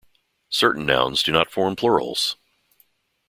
Certain nouns do not form plurals.